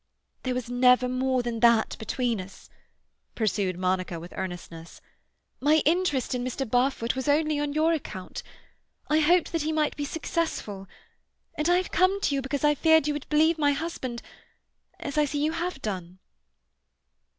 "There was never more than that between us," pursued Monica with earnestness. "My interest in Mr. Barfoot was only on your account. I hoped he might be successful. And I have come to you because I feared you would believe my husband—as I see you have done."